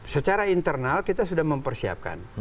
secara internal kita sudah mempersiapkan